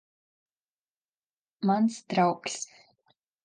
Mans draugs.